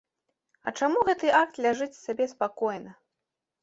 А чаму гэты акт ляжыць сабе спакойна?